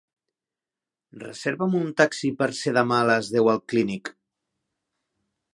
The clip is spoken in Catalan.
Reserva'm un taxi per ser demà a les deu al Clínic.